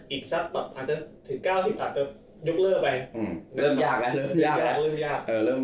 อีกสักอาจจะถึง๙๐อาจจะยกเลิกไป